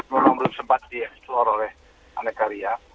memang belum sempat di explore oleh anekaria